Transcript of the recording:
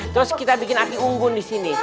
terus kita bikin api unggun di sini